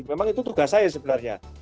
memang itu tugas saya sebenarnya